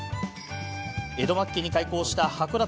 江戸末期に開港した函館。